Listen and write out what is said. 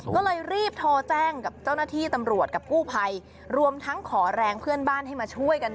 ก็เลยรีบโทรแจ้งกับเจ้าหน้าที่ตำรวจกับกู้ภัยรวมทั้งขอแรงเพื่อนบ้านให้มาช่วยกัน